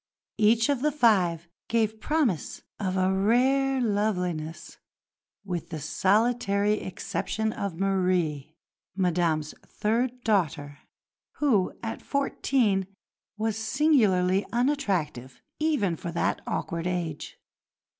Each of the five gave promise of a rare loveliness with the solitary exception of Marie, Madame's third daughter, who at fourteen was singularly unattractive even for that awkward age.